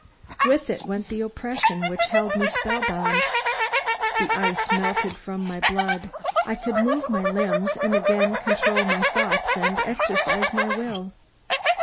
With it went the oppression which held me spell bound. The ice melted from my blood; I could move my limbs, and again control my thoughts and exercise my will.